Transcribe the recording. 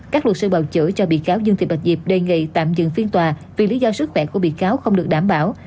các luật sư bào chữa cho bị cáo dương thị bạch diệp đề nghị tạm dừng phiên tòa vì lý do sức khỏe của bị cáo không được đảm bảo